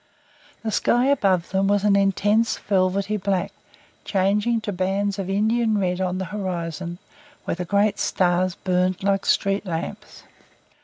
The sky above them was an intense velvety black, changing to bands of Indian red on the horizon, where the great stars burned like street lamps.